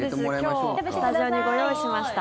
今日スタジオにご用意しました。